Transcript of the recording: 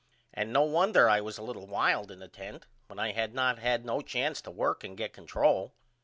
And no wonder I was a little wild in the 10th when I had not had no chance to work and get control.